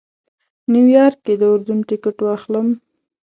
نیویارک کې د اردن ټکټ واخلم.